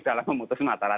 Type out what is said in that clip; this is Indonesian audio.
dalam memutus matalan